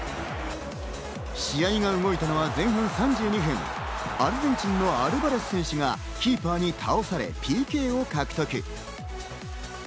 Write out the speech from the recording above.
試合が動いたのは前半３２分、アルゼンチンのアルバレス選手がキーパーに倒され、ＰＫを獲得。